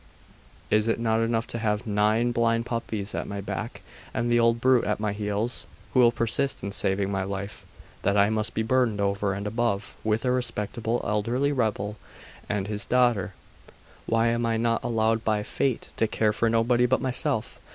Is it not enough to have nine blind puppies at my back, and an old brute at my heels, who will persist in saving my life, that I must be burdened over and above with a respectable elderly rebel and his daughter? Why am I not allowed by fate to care for nobody but myself?